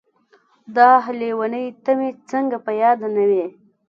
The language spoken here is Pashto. داح لېونۍ ته مې څنګه په ياده نه وې.